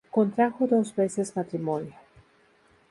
Contrajo dos veces matrimonio.